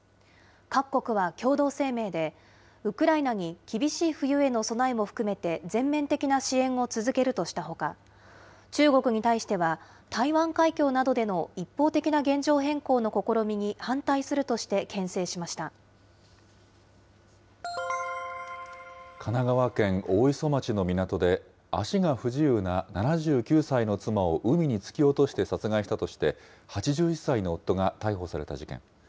各国は共同声明で、ウクライナに厳しい冬への備えも含めて、全面的な支援を続けるとしたほか、中国に対しては台湾海峡などでの一方的な現状変更の試みに反対す神奈川県大磯町の港で、足が不自由な７９歳の妻を海に突き落として殺害したとして、８１歳の夫が逮捕された事件。